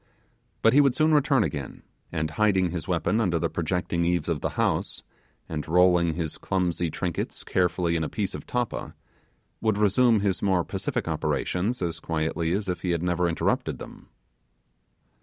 But he would soon return again, and hiding his weapon under the projecting eaves of the house, and rolling his clumsy trinkets carefully in a piece of tappa, would resume his more pacific operations as quietly as if he had never interrupted them.